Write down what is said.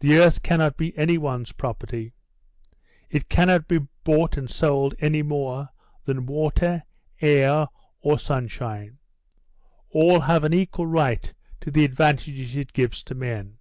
The earth cannot be any one's property; it cannot be bought or sold any more than water, air, or sunshine. All have an equal right to the advantages it gives to men.